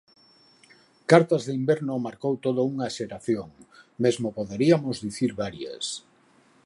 Cartas de inverno marcou toda unha xeración, mesmo poderiamos dicir varias.